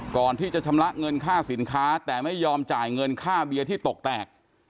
ก่อนที่จะชำระเงินค่าสินค้าแต่ไม่ยอมจ่ายเงินค่าเบียร์ที่ตกแตก